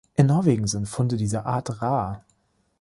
In Norwegen sind Funde dieser Art rar.